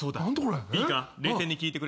いいか冷静に聞いてくれ。